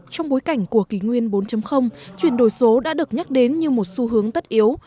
trong bối cảnh của kỳ nguyên bốn chuyển đổi số đã được nhắc đến như một xu hướng tất yếu